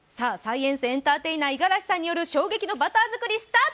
エンターテイナー五十嵐さんによるバター作り、スタート。